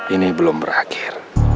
ini belum berakhir